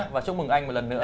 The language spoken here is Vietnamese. và chúc mừng anh một lần nữa